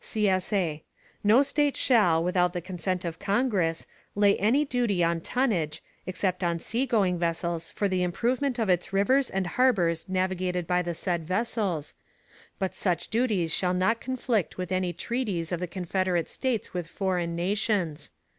[CSA] No State shall, without the consent of Congress, lay any duty on tonnage, _except on sea going vessels for the improvement of its rivers and harbors navigated by the said vessels; but such duties shall not conflict with any treaties of the Confederate States with foreign nations.